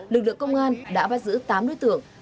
lực lượng công an đã bắt giữ tám đối tượng